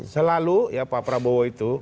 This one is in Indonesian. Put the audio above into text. selalu pak prabowo itu